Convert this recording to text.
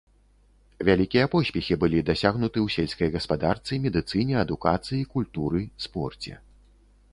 Вялікія поспехі былі дасягнуты ў сельскай гаспадарцы, медыцыне, адукацыі, культуры, спорце.